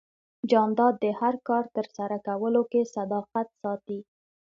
جانداد د هر کار ترسره کولو کې صداقت ساتي.